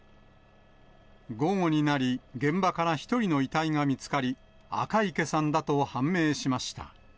午後になり、現場から１人の遺体が見つかり、赤池さんだと判明しました。